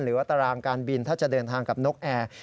หรือว่าตารางการบินถ้าจะเดินทางกับนกแอร์